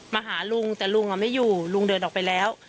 มาหาลุงแต่ลุงไม่อยู่ลุงเดินออกไปแล้ว